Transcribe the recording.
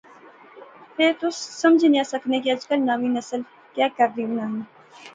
فہ تس سمجھی نیا سکنے کہ اجکل نی ناویں نسل کہہ کرنی بنانی